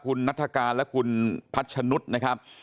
คุณนัฐกาลและคุณพัชนุษย์นะครับ